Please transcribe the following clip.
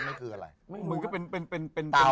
มึงก็เป็น